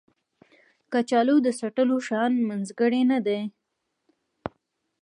کچالو د څټلو شیانو منځګړی نه دی